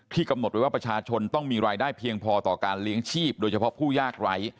กำหนดไว้ว่าประชาชนต้องมีรายได้เพียงพอต่อการเลี้ยงชีพโดยเฉพาะผู้ยากไร้